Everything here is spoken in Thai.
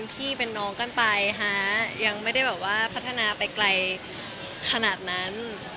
พี่เป็นน้องกันไปฮะยังไม่ได้แบบว่าพัฒนาไปไกลขนาดนั้น